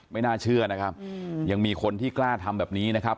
ไม่น่าเชื่อนะครับยังมีคนที่กล้าทำแบบนี้นะครับ